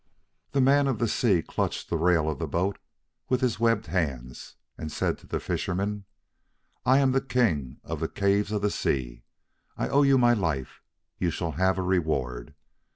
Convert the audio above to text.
The man of the sea clutched the rail of the boat with his webbed hands, and said to the fisherman, "I am the King of the Caves of the Sea. I owe you my life, and you shall have a reward.